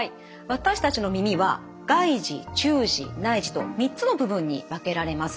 私たちの耳は外耳中耳内耳と３つの部分に分けられます。